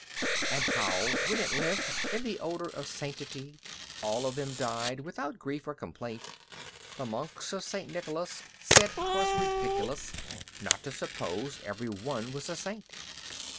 And how, when at length, in the odor of sanctity, All of them died without grief or complaint, The monks of St. Nicholas said 'twas ridiculous Not to suppose every one was a Saint.